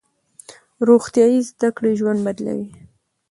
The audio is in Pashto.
روغتیايي زده کړې ژوند بدلوي.